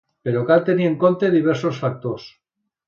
Però cal tenir en compte diversos factors.